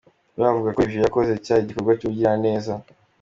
We avuga ko ivyo yakoze cari igikorwa c'ubugiraneza.